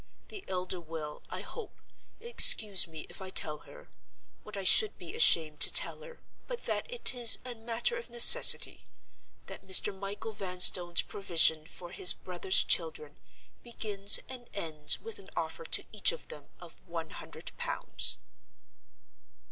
The elder will, I hope, excuse me if I tell her (what I should be ashamed to tell her, but that it is a matter of necessity), that Mr. Michael Vanstone's provision for his brother's children begins and ends with an offer to each of them of one hundred pounds."